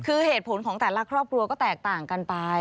คือเหตุผลของแต่ละครอบครัวก็แตกต่างกันไป